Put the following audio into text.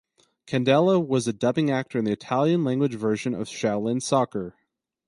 Candela was a dubbing actor in the Italian-language version of Shaolin Soccer.